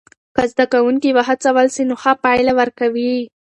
که زده کوونکي وهڅول سی نو ښه پایله ورکوي.